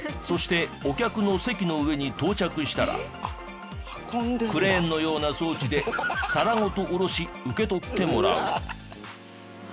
そしてお客の席の上に到着したらクレーンのような装置で皿ごと下ろし受け取ってもらう。